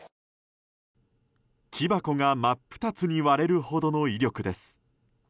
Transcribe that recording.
木箱が真っ二つに割れるほどの威力です。